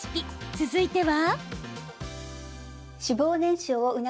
続いては。